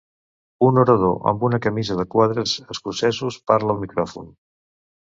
Un orador amb una camisa de quadres escocesos parla al micròfon.